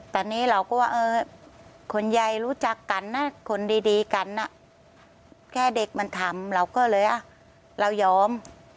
ตอนนี้เราก็ว่าคนใหญ่รู้จักกันนะคนดีกันแค่เด็กมันทำเราก็เลยเรายอม